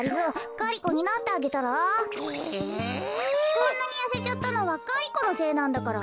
こんなにやせちゃったのはガリ子のせいなんだから。